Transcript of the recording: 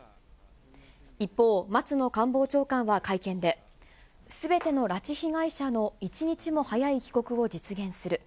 一方、松野官房長官は会見で、すべての拉致被害者の一日も早い帰国を実現する。